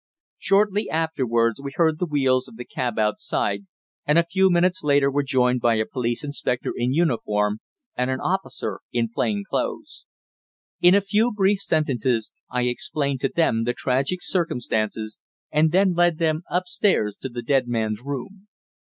Shortly afterwards we heard the wheels of the cab outside, and a few minutes later were joined by a police inspector in uniform and an officer in plain clothes. In a few brief sentences I explained to them the tragic circumstances, and then led them upstairs to the dead man's room.